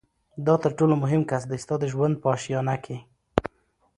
دا تر ټولو مهم کس دی ستا د ژوند په آشیانه کي